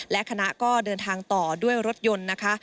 และคณะก็เดินทางต่อด้วยรถยนต์นะคะ